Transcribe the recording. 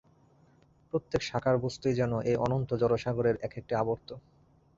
প্রত্যেক সাকার বস্তুই যেন এই অনন্ত জড়সাগরের এক-একটি আবর্ত।